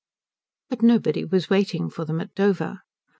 IV But nobody was waiting for them at Dover.